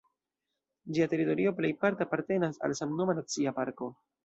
Ĝia teritorio plejparte apartenas al samnoma nacia parko.